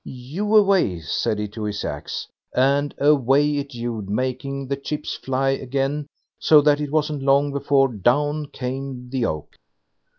"Hew away!" said he to his axe; and away it hewed, making the chips fly again, so that it wasn't long before down came the oak.